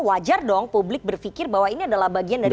wajar dong publik berpikir bahwa ini adalah bagian dari